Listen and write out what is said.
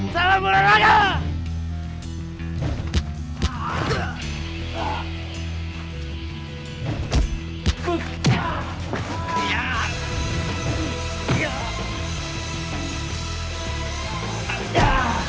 salam uran aja